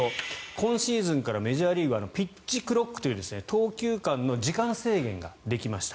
今シーズンからメジャーリーグはピッチクロックという投球間の時間制限ができました。